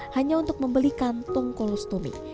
hanya untuk membeli kantong kolostomi